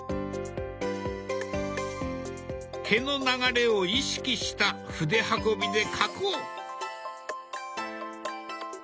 毛の流れを意識した筆運びで描こう。